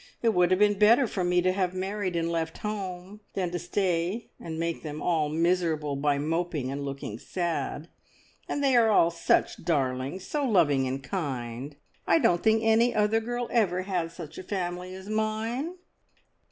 It would have been better for me to have married and left home, than to stay, and make them all miserable by moping and looking sad. And they are all such darlings, and so loving and kind. I don't think any other girl ever had such a family as mine!"